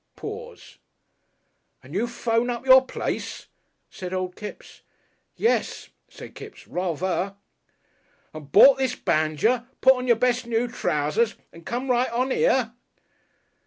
Pause. "And you thrown up your place?" said Old Kipps. "Yes," said Kipps. "Rather!" "And bort this banjer, put on your best noo trousers and come right on 'ere?"